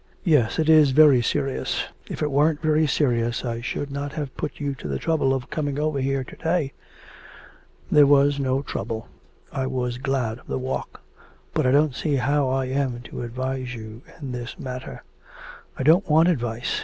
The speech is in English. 'Yes, it is very serious. If it weren't very serious I should not have put you to the trouble of coming over here to day.' 'There was no trouble; I was glad of the walk. But I don't see how I am to advise you in this matter.' 'I don't want advice.